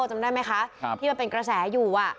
จำได้ไหมคะที่มันเป็นกระแสอยู่